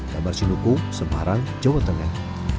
kabar sinukung semarang jawa tengah